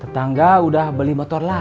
tetangga udah beli motor lah